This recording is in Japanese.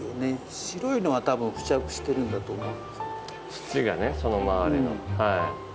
土がねその周りの。